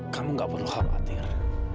kamu gak perlu khawatir